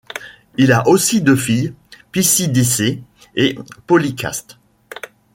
Il a aussi deux filles, Pisidicé et Polycaste.